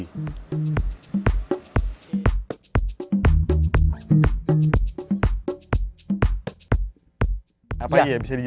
pesawat ini juga bisa terkoneksi dengan pesawat yang berkualitas